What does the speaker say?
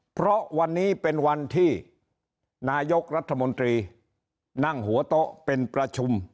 เพราะวันนี้เป็นวันที่นายกรัฐมนตรีนั่งหัวโต๊ะเป็นประชุม